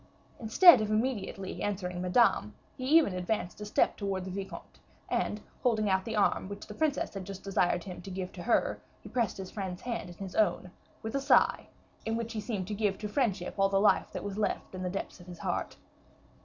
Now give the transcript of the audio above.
Instead of immediately answering Madame, he even advanced a step towards the vicomte, and holding out the arm which the princess had just desired him to give her, he pressed his friend's hand in his own, with a sigh, in which he seemed to give to friendship all the life that was left in the depths of his heart.